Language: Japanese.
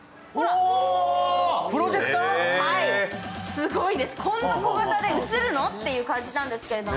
すごいです、こんな小型で映るの？って感じですけど。